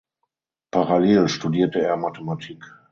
Parallel studierte er Mathematik.